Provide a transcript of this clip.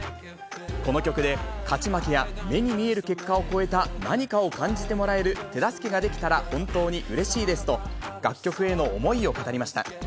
この曲で勝ち負けや目に見える結果を超えた何かを感じてもらえる手助けができたら本当にうれしいですと、楽曲への思いを語りました。